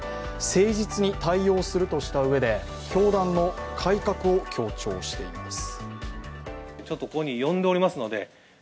誠実に対応するとしたうえで教団の改革を強調しています。